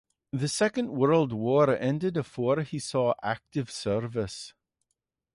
The Second World War ended before he saw active service.